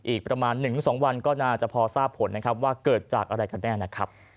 อีกประมาณ๑๒วันก็น่าจะพอทราบผลนะครับว่าเกิดจากอะไรกันแน่นะครับ